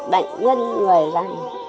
bệnh nhân người là